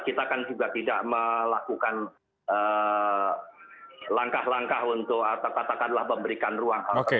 kita kan juga tidak melakukan langkah langkah untuk katakanlah memberikan ruang hal tersebut